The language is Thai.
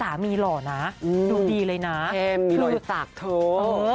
สามีหล่อนาดูดีเลยนะเห็มหน่วยสักเถา